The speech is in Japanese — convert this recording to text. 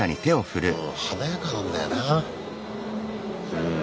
華やかなんだよなうん。